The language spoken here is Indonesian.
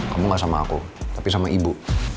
kamu gak sama aku tapi sama ibu